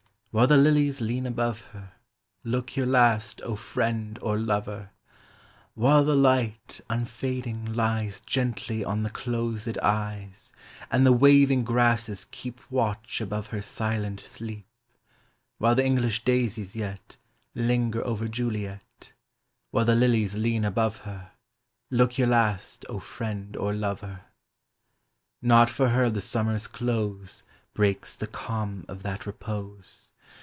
HILE the lilies lean above her, Look your last, O friend or lover ! While the light, unfading, lies Gently on the closed eyes, And the waving grasses keep Watch above her silent sleep ; While the English daisies yet Linger over Juliet, — While the lilies lean above her, Look your last, O friend or lover ! Not for her the summer's close Breaks the calm of that repose.